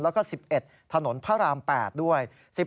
แล้วก็๑๑ถนนพระราม๘ด้วย